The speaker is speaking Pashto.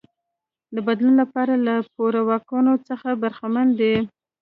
د بدلون لپاره له پوره واکونو څخه برخمن دی.